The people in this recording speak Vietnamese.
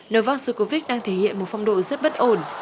novak djokovic đang thể hiện một phong độ rất bất ổn